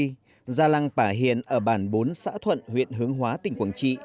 già làng hồ rây già làng pả hiền ở bản bốn xã thuận huyện hướng hóa tỉnh quảng trị